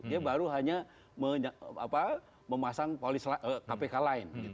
dia baru hanya memasang polis kpk lain